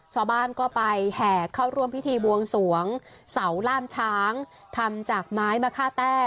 ชาวบ้านก็ไปแห่เข้าร่วมพิธีบวงสวงเสาล่ามช้างทำจากไม้มะค่าแต้